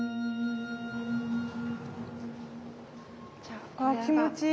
あっ気持ちいい！